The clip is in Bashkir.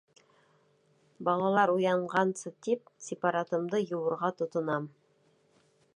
Балалар уянғансы тип, сепаратымды йыуырға тотонам.